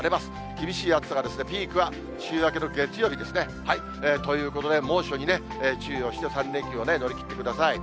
厳しい暑さが、ピークは、週明けの月曜日ですね。ということで、猛暑に注意をして、３連休を乗り切ってください。